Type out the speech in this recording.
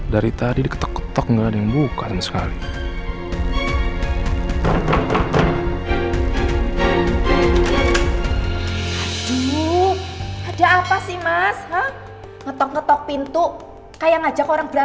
sampai jumpa di video selanjutnya